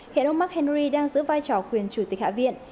hiện ông mcenry đang giữ vai trò quyền chủ tịch hạ viện